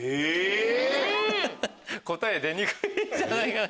答え出にくいんじゃないかな。